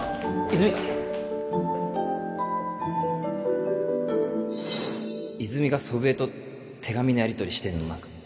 泉泉が祖父江と手紙のやりとりしてるの何か